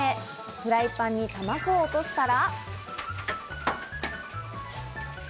フライパンに卵を落としたら。